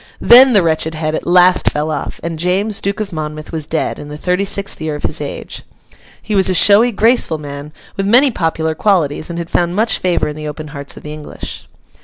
Then the wretched head at last fell off, and James, Duke of Monmouth, was dead, in the thirty sixth year of his age. He was a showy, graceful man, with many popular qualities, and had found much favour in the open hearts of the English.